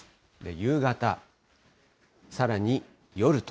夕方、さらに夜と。